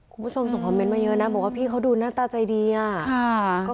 คุณผู้ชมส่งคอมเมนต์มาเยอะนะบอกว่าพี่เขาดูหน้าตาใจดีอ่ะ